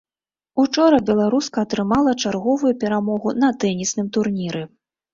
Учора беларуска атрымала чарговую перамогу на тэнісным турніры.